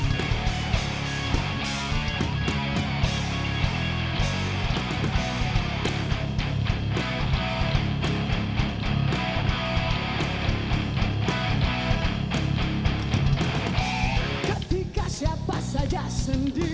tantri negeriku yang ku cinta